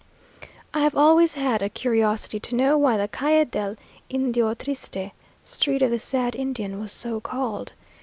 I have always had a curiosity to know why the Calle del Indio Triste (Street of the Sad Indian) was so called.